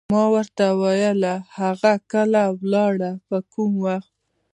ما ورته وویل: هغه کله ولاړه، په کوم وخت؟